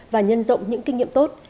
và nhân rộng những kinh nghiệm tốt